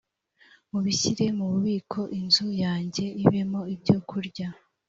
mubishyire mu bubiko inzu yanjye ibemo ibyokurya